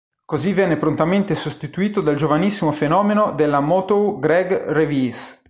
Così venne prontamente sostituito dal giovanissimo fenomeno della Motown Greg Reeves.